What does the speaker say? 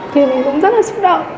thì mình cũng rất là xúc động